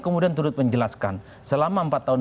kemudian turut menjelaskan selama empat tahun